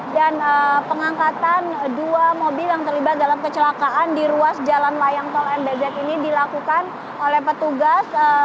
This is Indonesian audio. dan pengangkatan dua mobil yang terlibat dalam kecelakaan di ruas jalan layang tol mbz ini dilakukan oleh petugas